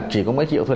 chỉ có mấy triệu thôi